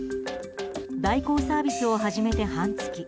代行サービスを始めて半月。